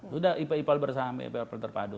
sudah ipal ipal bersama ipal ipal terpadu